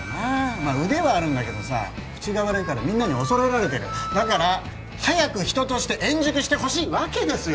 まあ腕はあるんだけどさ口が悪いからみんなに恐れられてるだから早く人として円熟してほしいわけですよ